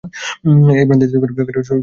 এই ভ্রান্তি ত্যাগ কর, সব দুঃখ চলিয়া যাইবে।